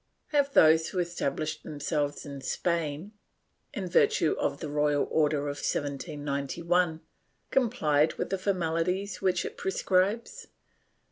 Have those who established themselves in Spain, in virtue of the royal order of 1791, complied with the formalities which it prescribes?